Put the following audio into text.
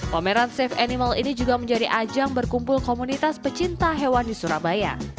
pameran safe animal ini juga menjadi ajang berkumpul komunitas pecinta hewan di surabaya